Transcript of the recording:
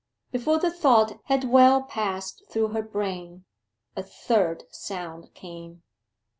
Before the thought had well passed through her brain, a third sound came.